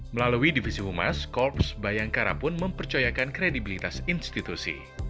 melalui divisi humas korps bayangkara pun mempercayakan kredibilitas institusi